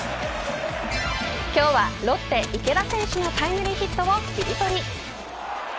今日はロッテ、池田選手のタイムリーヒットをキリトリ。